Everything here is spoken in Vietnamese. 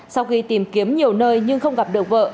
sau khi tìm kiếm nhiều nơi nhưng không gặp được vợ